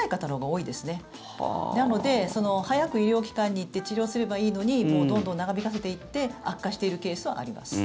なので、早く医療機関に行って治療すればいいのにどんどん長引かせていって悪化しているケースはあります。